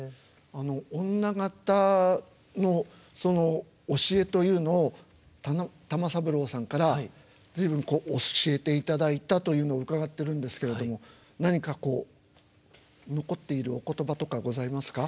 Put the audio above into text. あの女形のその教えというのを玉三郎さんから随分教えていただいたというのを伺ってるんですけれども何かこう残っているお言葉とかございますか？